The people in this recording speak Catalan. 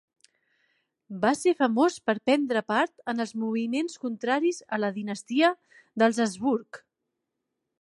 Va ser famós per prendre part en els moviments contraris a la dinastia dels Habsburg.